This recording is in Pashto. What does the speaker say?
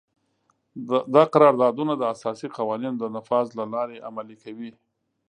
دا قراردادونه د اساسي قوانینو د نفاذ له لارې عملي کوي.